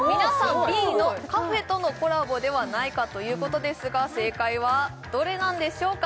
Ｂのカフェとのコラボではないかということですが正解はどれなんでしょうか